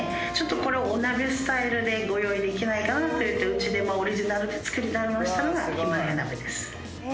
これをお鍋スタイルでご用意できないかなといってうちでオリジナルで作り出したのがヒマラヤ鍋です。